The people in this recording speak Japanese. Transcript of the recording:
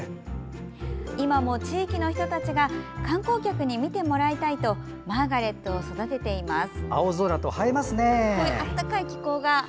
今も地域の人たちが観光客に見てもらいたいとマーガレットを育てています。